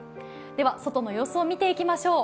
では外の様子を見ていきましょう。